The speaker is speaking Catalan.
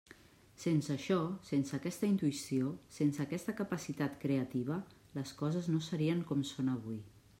Sense això, sense aquesta intuïció, sense aquesta capacitat creativa, les coses no serien com són avui.